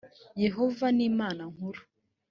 yehova ni imana nkuru